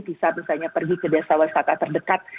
bisa misalnya pergi ke desa wisata terdekat